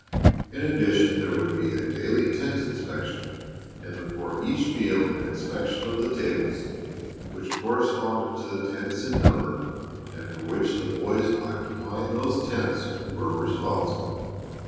In addition there would be a daily tent inspection, and before each meal an inspection of the tables, which corresponded to the tents in number and for which the boys occupying those tents were responsible.